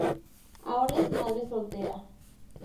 Ahora es madre soltera.